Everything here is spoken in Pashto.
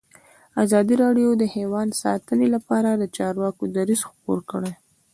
ازادي راډیو د حیوان ساتنه لپاره د چارواکو دریځ خپور کړی.